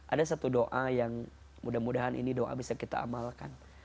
ada satu doa yang mudah mudahan ini doa bisa kita amalkan